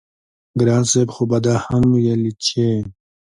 ګران صاحب خو به دا هم وييل چې